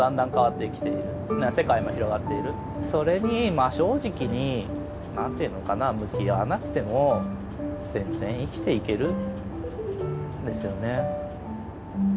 それに真正直に何て言うのかな向き合わなくても全然生きていけるんですよね。